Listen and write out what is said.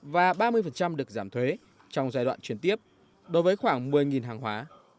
và ba mươi được giảm thuế trong giai đoạn chuyển tiếp đối với khoảng một mươi hàng hóa